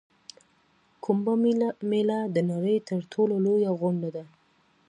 کومبه میله د نړۍ تر ټولو لویه غونډه ده.